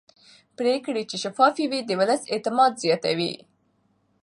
پرېکړې چې شفافې وي د ولس اعتماد زیاتوي